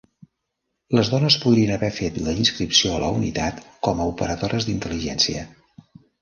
Les dones podrien haver fet la inscripció a la unitat com a operadores d'intel·ligència.